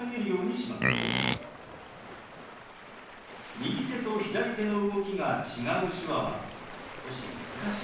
右手と左手の動きが違う手話は少し難しいかもしれませんね。